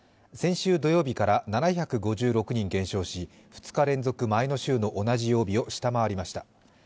先週土曜日から７５６人減少し、２日連続前の週の同じ曜日を下回りました。